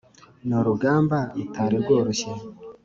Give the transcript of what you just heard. Ni urugamba rutari rworoshye,